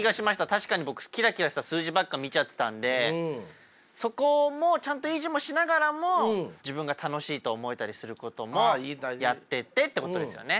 確かに僕キラキラした数字ばっか見ちゃってたんでそこもちゃんと維持もしながらも自分が楽しいと思えたりすることもやってってってことですよね？